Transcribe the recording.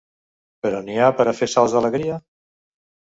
Però n’hi ha per a fer salts d’alegria?